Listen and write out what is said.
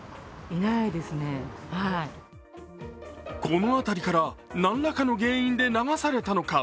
この辺りから何らかの原因で流されたのか。